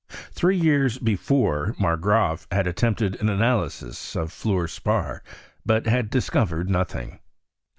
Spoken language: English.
Three years before, Mat^;raaf had attempted an analysis of fluor spar, but had discovered notung.